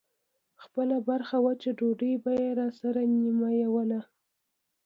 خپله برخه وچه ډوډۍ به يې راسره نيموله.